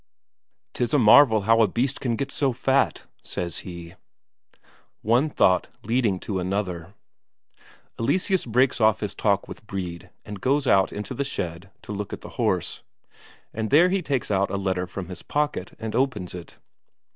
"'Tis a marvel how a beast can get so fat," says he. One thought leading to another: Eleseus breaks off his talk with Brede and goes out into the shed to look at the horse. And there he takes out a letter from his pocket and opens it.